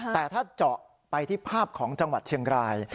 แต่ถ้าเจาะไปที่ภาพของจังหวัดเชียงราย